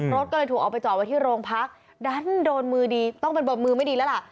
รถก็เลยถูกเอาไปจอดไว้ที่โรงพักดันโดนมือดีต้องเป็นเบอร์มือไม่ดีแล้วล่ะ